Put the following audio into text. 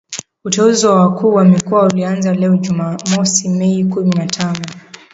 Uteuzi wa wakuu wa mikoa ulianza leo Jumamosi Mei kumi na tano